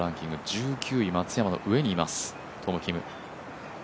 １９位松山の上にいます、トム・キム。